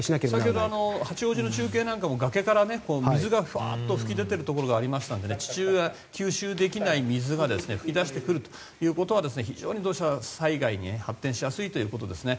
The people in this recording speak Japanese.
先ほどの八王子の中継でも崖から水が噴き出しているところがありましたので地中が吸収できない水が噴き出してくるということは非常に土砂災害に発展しやすいということですね。